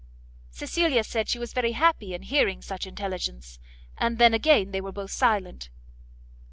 Cecilia said she was very happy in hearing such intelligence; and then again they were both silent.